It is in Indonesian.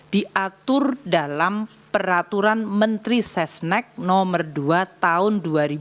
diatur dalam peraturan menteri sesnek nomor dua tahun dua ribu dua puluh